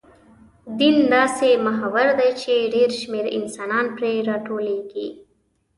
دین داسې محور دی، چې ډېر شمېر انسانان پرې راټولېږي.